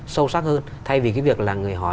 sâu sắc hơn thay vì cái việc là người hỏi